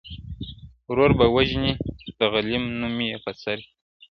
ورور به وژني د غلیم نوم یې په سر دی؛